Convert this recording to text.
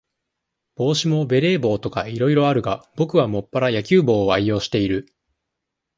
帽子も、ベレー帽とか、いろいろあるが、ぼくはもっぱら、野球帽を愛用している。